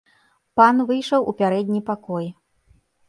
Пан выйшаў у пярэдні пакой.